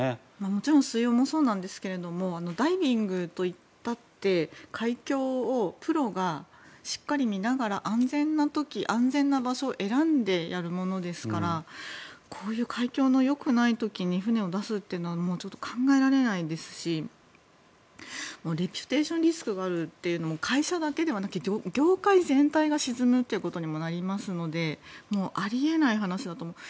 もちろん水温もそうですがダイビングといったって海峡をプロがしっかり見ながら安全な時や安全な場所を選んでやるものですからこういう環境のよくない時に船を出すというのはもう考えられないですしレピュテーションリスクがあるって会社だけではなくて業界全体が沈むということにもなりますのであり得ない話だと思う。